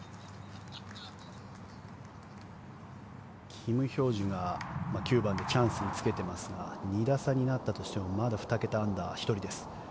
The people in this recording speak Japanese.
キム・ヒョージュが９番でチャンスにつけていますが２打差になったとしてもまだ２桁アンダーは１人です。